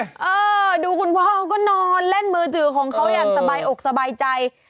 เออดูคุณพ่อเขาก็นอนเล่นมือถือของเขาอย่างสบายอกสบายใจ